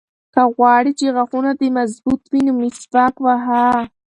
که غواړې چې غاښونه دې مضبوط وي نو مسواک وهه.